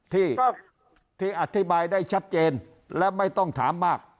ที่อธิบายได้ชัดเจนและไม่ต้องถามมาก